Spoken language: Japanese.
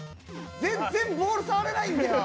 全然ボール触れないんだよ。